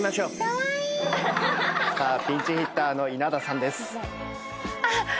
ピンチヒッターの稲田さんです。